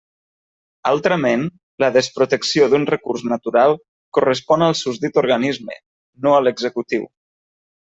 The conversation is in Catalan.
Altrament, la desprotecció d'un recurs natural correspon al susdit organisme, no a l'executiu.